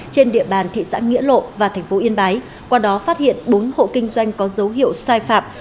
trên địa bàn thị xã nghĩa lộ và thành phố yên bái qua đó phát hiện bốn hộ kinh doanh có dấu hiệu sai phạm